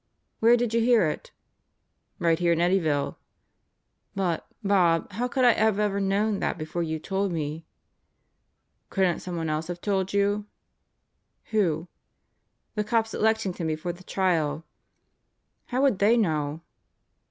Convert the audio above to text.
"Where did you hear it?" "Right here in Eddyville." "But, Bob, how could I have ever known that before you told me?" "Couldn't someone else have told you?" "Who?" "The cops at Lexington before the trial." "How would they know?"